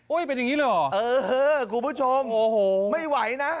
เป็นอย่างนี้เลยเหรอเออคุณผู้ชมโอ้โหไม่ไหวนะ